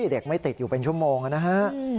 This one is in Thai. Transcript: เด็กไม่ติดอยู่เป็นชั่วโมงนะฮะ